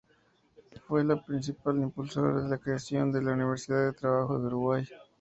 Fue el principal impulsor de la creación de la Universidad del Trabajo del Uruguay.